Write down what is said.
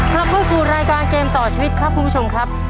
กลับเข้าสู่รายการเกมต่อชีวิตครับคุณผู้ชมครับ